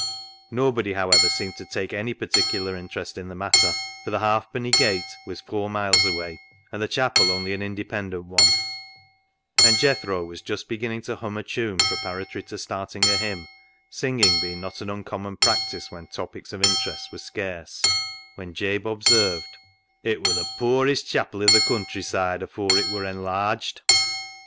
Nobody, however, seemed to take any par ticular interest in the matter, for the Halfpenny Gate was four miles away, and the chapel only an Independent one, and Jethro was just "THE ZEAL OF THINE HOUSE" 313 beginning to hum a tune preparatory to start ing a hymn, singing being not an uncommon practice when topics of interest were scarce, when Jabe observed —" It wur th' poorest chapil i' th' country side afoor it wur enlarged."